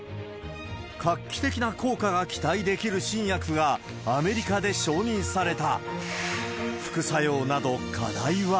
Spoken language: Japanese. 画期的な効果が期待できる新薬が、アメリカで承認された。